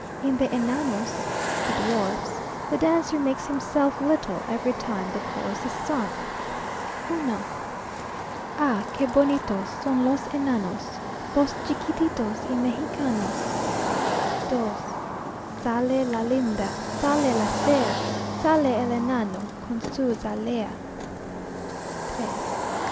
In the "enanos" (the dwarfs) the dancer makes himself little, every time the chorus is sung. 1. Ah! que bonitos Son los enanos, Los chiquititos Y Mejicanos. 2. Sale la linda, Sale la fea, Sale el enano, Con su zalea. 3.